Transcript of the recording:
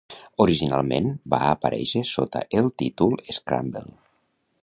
Originalment va aparèixer sota el títol "Scramble".